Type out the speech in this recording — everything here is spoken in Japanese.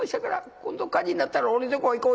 『今度火事になったら俺んとこに来い。